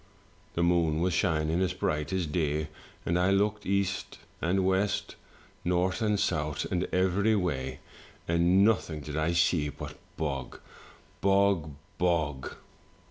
The moon was shining as bright as day, and I looked east and west, north and south, and every way, and nothing did I see but bog, bog, bog.